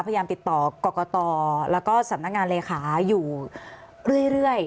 พยายามติดต่อกรกตแล้วก็สำนักงานเลขาอยู่เรื่อย